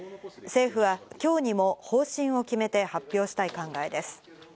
政府は今日にも方針を決めて発表したい考えです。